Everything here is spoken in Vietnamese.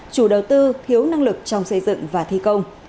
chủ đầu tư thiếu năng lực trong xây dựng và thi công